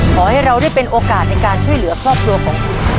ขอให้เราได้เป็นโอกาสในการช่วยเหลือครอบครัวของคุณ